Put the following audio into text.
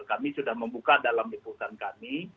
kami sudah membuka dalam liputan kami